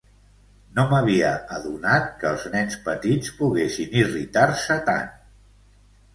No m'havia adonat que els nens petits poguessin irritar-se tant.